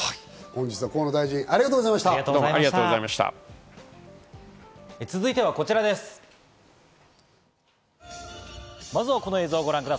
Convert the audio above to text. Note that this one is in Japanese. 本日は河野大臣、ありがとうございました。